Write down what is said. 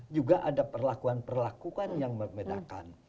juga ada perlakuan perlakukan yang membedakan